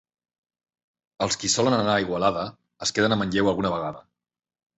Els qui solen anar a Igualada, es queden a Manlleu alguna vegada.